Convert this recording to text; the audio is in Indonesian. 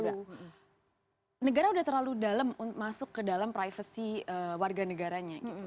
ini terlalu negara udah terlalu dalam masuk ke dalam privasi warga negaranya gitu